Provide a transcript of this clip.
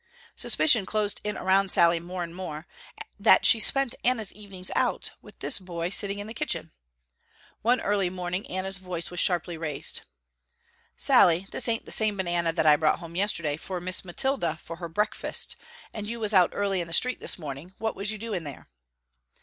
Suspicion closed in around Sallie more and more, that she spent Anna's evenings out with this boy sitting in the kitchen. One early morning Anna's voice was sharply raised. "Sallie this ain't the same banana that I brought home yesterday, for Miss Mathilda, for her breakfast, and you was out early in the street this morning, what was you doing there?"